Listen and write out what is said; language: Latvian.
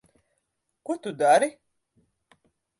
Ko tu dari?